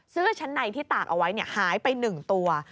เสื้อชั้นในที่ตากเอาไว้หายไป๑ตัว